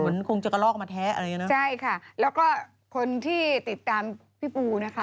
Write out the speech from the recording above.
คงจะกระลอกมาแท้อะไรอย่างเงี้เนอะใช่ค่ะแล้วก็คนที่ติดตามพี่ปูนะคะ